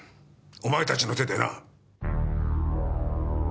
お前たちの手でな。